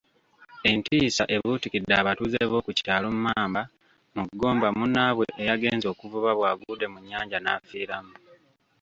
Entiisa ebuutikidde abatuuze b'okukyalo Mmamba mu Gomba munnabwe ayagenze okuvuba bw'agudde mu nnyanja n'afiiramu.